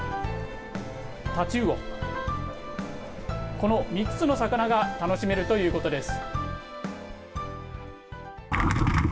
この３つの魚が楽しめるということです。